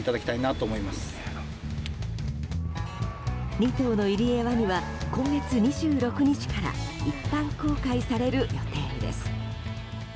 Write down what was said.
２頭のイリエワニは今月２６日から一般公開される予定です。